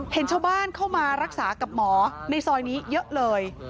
เห็นชาวบ้านเข้ามารักษากับหมอในซอยนี้เยอะเลย